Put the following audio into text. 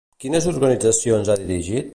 Quines organitzacions ha dirigit?